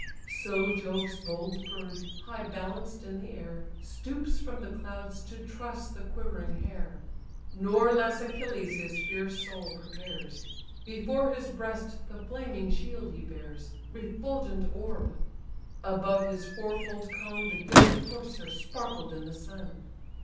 So Jove's bold bird, high balanced in the air, Stoops from the clouds to truss the quivering hare. Nor less Achilles his fierce soul prepares: Before his breast the flaming shield he bears, Refulgent orb! above his fourfold cone The gilded horse hair sparkled in the sun.